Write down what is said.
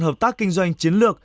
hợp tác kinh doanh chiến lược